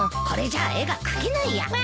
これじゃあ絵が描けないや。